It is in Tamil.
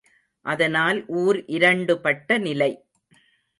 அதனால் ஊர் இரண்டுபட்ட நிலை!